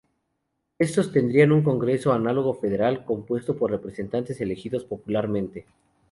Estos tendrían un Congreso análogo al federal, compuesto por representantes elegidos popularmente.